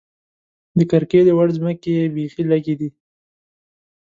د کرکیلې وړ ځمکې یې بېخې لږې دي.